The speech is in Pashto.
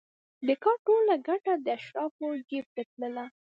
د کار ټوله ګټه د اشرافو جېب ته تلله.